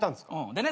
でね